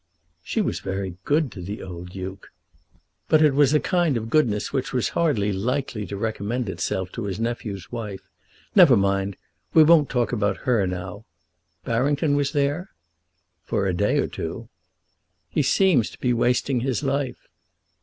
"She was very good to the old Duke." "But it was a kind of goodness which was hardly likely to recommend itself to his nephew's wife. Never mind; we won't talk about her now. Barrington was there?" "For a day or two." "He seems to be wasting his life."